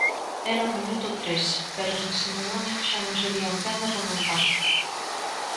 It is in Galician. Era o minuto tres, pero os de Simeone xa non serían quen de remontar.